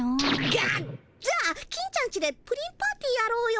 がっ！じゃあ金ちゃんちでプリンパーティーやろうよ。